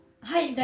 はい。